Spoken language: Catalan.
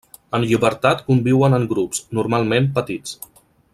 En llibertat conviuen en grups, normalment petits.